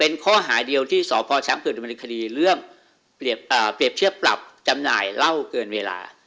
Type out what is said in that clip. เป็นข้อหาเดียวที่สพช้างเกิดดำเนินคดีเรื่องเปรียบเทียบปรับจำหน่ายเหล้าเกินเวลา